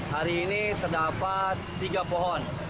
hari ini terdapat tiga pohon